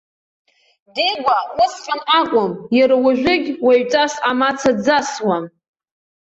Дигәа усҟан акәым, иара уажәыгь уаҩҵас амаца дзасуам.